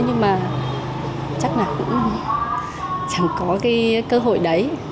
nhưng mà chắc là cũng chẳng có cái cơ hội đấy